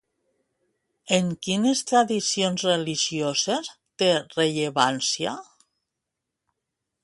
En quines tradicions religioses té rellevància?